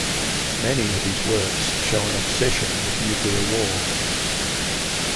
Many of his works show an obsession with nuclear war.